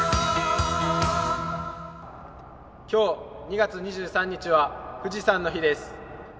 今日、２月２３日は富士山の日です。